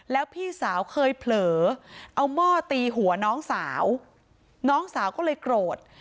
แล้วพี่สาวเคยเผลอเอาหม้อตีหัวน้องสาวน้องสาวก็เลยโกรธ